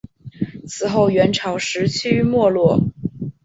此后元朝时趋于没落。